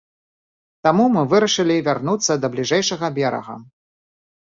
Таму мы вырашылі вярнуцца да бліжэйшага берага.